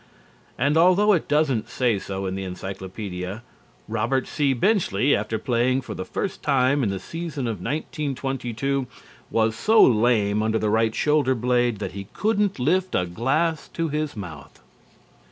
And, although it doesn't say so in the Encyclopædia, Robert C. Benchley, after playing for the first time in the season of 1922, was so lame under the right shoulder blade that he couldn't lift a glass to his mouth.